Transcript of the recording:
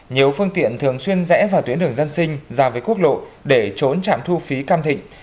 nhiều phương tiện thường xuyên rẽ vào tuyến đường dân sinh ra với quốc lộ để trốn trạm thu phí cam thịnh